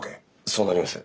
そうなります。